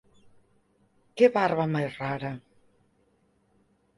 Que barba máis rara.